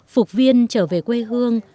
phục viên trở về quê hương